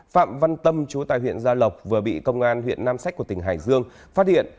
phạm văn tâm chú tài huyện gia lộc vừa bị công an huyện nam sách của tỉnh hải dương phát hiện